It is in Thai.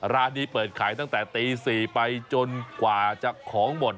ร้านนี้เปิดขายตั้งแต่ตี๔ไปจนกว่าจะของหมด